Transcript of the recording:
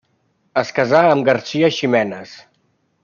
Es casà amb Garcia Ximenes.